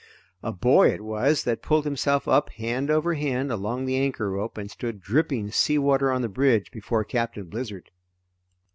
A boy it was that pulled himself up hand over hand along the anchor rope and stood dripping sea water on the bridge before Captain Blizzard.